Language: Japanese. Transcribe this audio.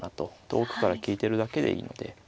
遠くから利いてるだけでいいので。